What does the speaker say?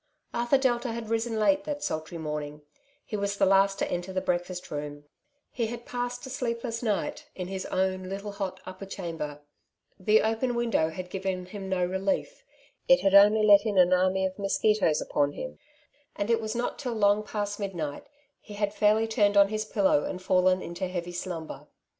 Arthur Delta had risen late that sultry morning ; he was the last to enter the breakfast room. He had passed a sleepless night in his own little hot upper chamber. The open window had given him 92 '^ Two Sides to every Question^ no relief, it. had only let in an army of mosqnitoea upon him ; and it was not till long past midnight he had fairly tnrned on his pillow and fallen into heavy slumber.